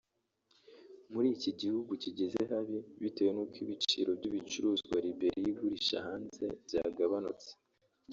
muri iki gihugu kigeze habi bitewe nuko ibiciro by'ibicuruzwa Liberia igurisha hanze byagabanutse